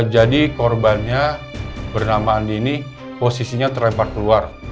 jadi korbannya bernama andi ini posisinya terlebar keluar